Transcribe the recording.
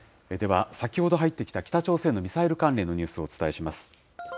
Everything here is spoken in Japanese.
では、先ほど入ってきた北朝鮮のミサイル関連のニュースをお伝えします。